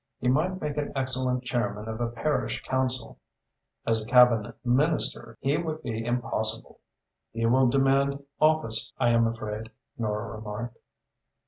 He might make an excellent chairman of a parish council. As a Cabinet Minister he would be impossible." "He will demand office, I am afraid," Nora remarked.